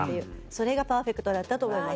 それがパーフェクトだったと思います。